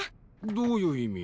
どういう意味？